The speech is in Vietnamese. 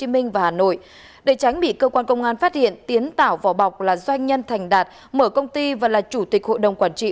minh và hà nội để tránh bị cơ quan công an phát hiện tiến tạo vỏ bọc là doanh nhân thành đạt mở công ty và là chủ tịch hội đồng quản trị